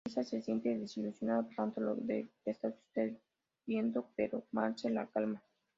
Lisa se siente desilusionada por todo lo que está sucediendo, pero Marge la calma.